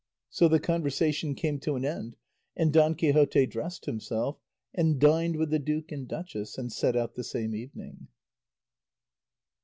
'" So the conversation came to an end, and Don Quixote dressed himself and dined with the duke and duchess, and set out the same evening.